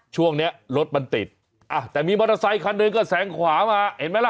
ช่วงเนี้ยรถมันติดอ่ะแต่มีมอเตอร์ไซคันหนึ่งก็แสงขวามาเห็นไหมล่ะ